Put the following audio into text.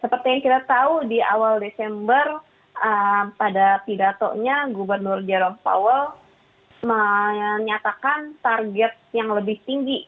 seperti yang kita tahu di awal desember pada pidatonya gubernur jerome powell menyatakan target yang lebih tinggi